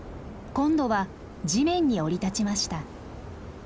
今度は地面に降り立ちました。